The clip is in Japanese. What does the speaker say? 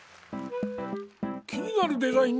気になるデザイン